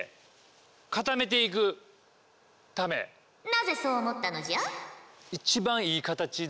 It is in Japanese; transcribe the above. なぜそう思ったのじゃ？